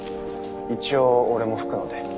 一応俺も吹くので。